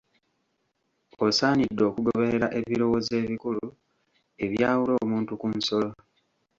Osaanidde okugoberera ebirowoozo ebikulu, ebyawula omuntu ku nsolo.